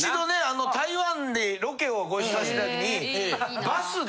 あの台湾でロケをご一緒したときに。